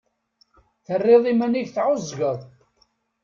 Terriḍ iman-ik tɛuẓẓgeḍ.